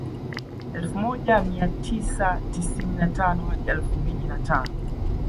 Elfu moja mia tisa tisini na tano hadi elfu mbili na tano